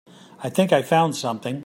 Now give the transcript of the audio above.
I think I found something.